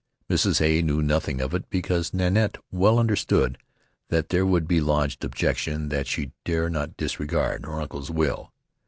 Mrs. Hay knew nothing of it because Nanette well understood that there would be lodged objection that she dare not disregard her uncle's will.